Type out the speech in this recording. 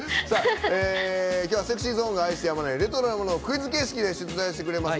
ＳｅｘｙＺｏｎｅが愛してやまないレトロなものをクイズ形式で出題してくれます。